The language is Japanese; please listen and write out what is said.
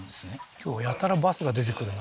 今日はやたらバスが出てくるな